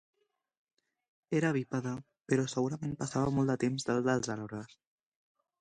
Era bípede, però segurament passava molt de temps dalt dels arbres.